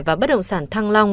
và bất động sản thăng long